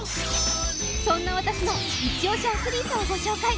そんな私のイチ押しアスリートをご紹介。